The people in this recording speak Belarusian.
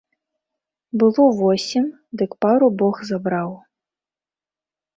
Было восем, дык пару бог забраў.